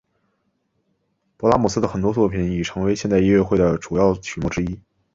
勃拉姆斯的很多作品已成为现代音乐会的主要曲目之一。